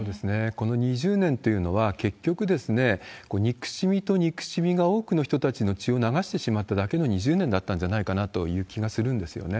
この２０年というのは、結局、憎しみと憎しみが多くの人たちの血を流してしまっただけの２０年だったんじゃないかなという気がするんですよね。